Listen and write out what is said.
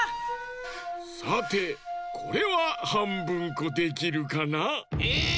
さてこれははんぶんこできるかな？え！